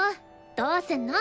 どうすんの？